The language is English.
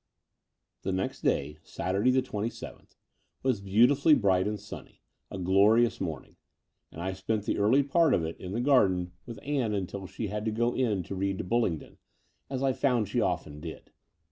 The next day, Saturday, the twenty seventh, was beautifully bright and sunny, a glorious morn ing: and I spent the early part of it in the garden 246 The Door of the Unreal with Ann until she had to go in to read to Bulling don, as I found she often did.